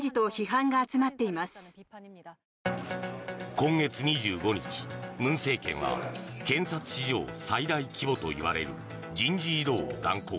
今月２５日、文政権は検察史上最大規模といわれる人事異動を断行。